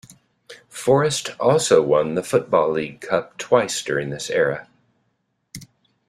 Forest also won the Football League Cup twice during this era.